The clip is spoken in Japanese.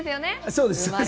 そうです。